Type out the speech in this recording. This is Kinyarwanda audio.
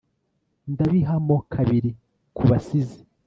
Ndabiha mo kabiri kubasizi